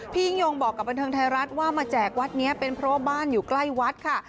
ยิ่งยงบอกกับบันเทิงไทยรัฐว่ามาแจกวัดนี้เป็นเพราะว่าบ้านอยู่ใกล้วัดค่ะ